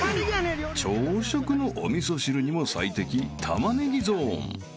［朝食のお味噌汁にも最適タマネギゾーン］